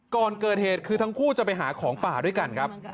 ก่อนเกิดเหตุคือทั้งคู่จะไปหาของป่าด้วยกันครับ